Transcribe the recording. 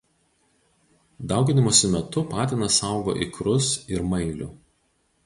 Dauginimosi metu patinas saugo ikrus ir mailių.